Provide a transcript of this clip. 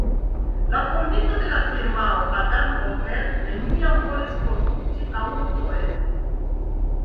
La fondinto de la firmao, Adam Opel, neniam volis produkti aŭtojn.